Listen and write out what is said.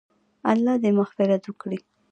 الله دې مغفرت وکړي -